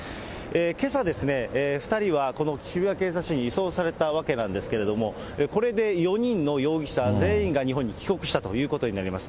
けさ、２人はこの渋谷警察署に移送されたわけなんですけれども、これで４人の容疑者全員が日本に帰国したということになります。